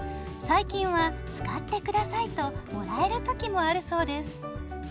最近は「使って下さい」ともらえる時もあるそうです。